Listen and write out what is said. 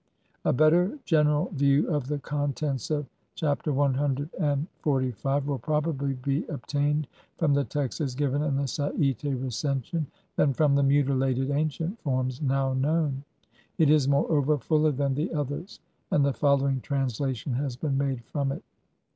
A better general view of the contents of Chapter CXLV will probably be obtained from the text as given in the Sa'ite Recension than from the mutilated ancient forms now known; it is, moreover, fuller than the others, and the following trans lation has been made from it.